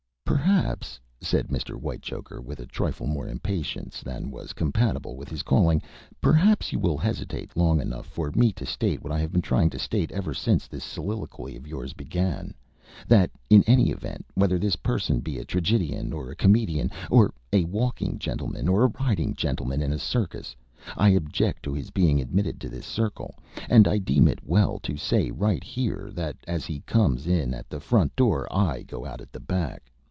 '"] "Perhaps," said Mr. Whitechoker, with a trifle more impatience than was compatible with his calling "perhaps you will hesitate long enough for me to state what I have been trying to state ever since this soliloquy of yours began that in any event, whether this person be a tragedian, or a comedian, or a walking gentleman, or a riding gentleman in a circus, I object to his being admitted to this circle, and I deem it well to say right here that as he comes in at the front door I go out at the back.